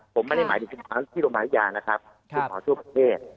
ผมไม่ได้หมายถึงคุณหมอแล้วนี่คือบริยาคุณหมอทั่วประเภท